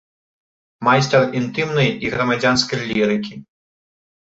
Майстар інтымнай і грамадзянскай лірыкі.